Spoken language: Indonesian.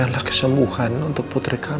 nggak mau di suntik